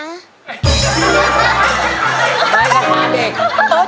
ไม้กระทาเด็ก